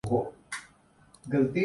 کن بیٹے کو ملنے والی